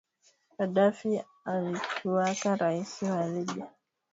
Kadafi alikuwaka raisi wa libya